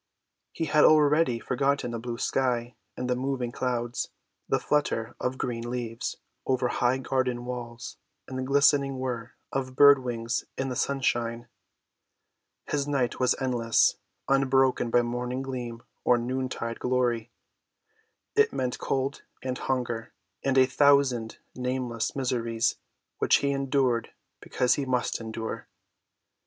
He had already forgotten the blue sky and the moving clouds, the flutter of green leaves over high garden walls and the glistening whir of bird‐wings in the sunshine. His night was endless, unbroken by morning gleam or noontide glory. It meant cold and hunger and a thousand nameless miseries which he endured because he must endure.